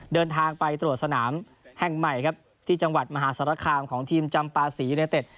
เดินทางไปตรวจสนามแห่งใหม่ครับที่จังหวัดมหาสารคามของทีมจำปาศรียูเนเต็ด